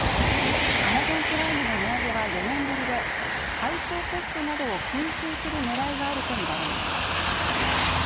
Ａｍａｚｏｎプライムの値上げは４年ぶりで配送コストなどを吸収する狙いがあるとみられます。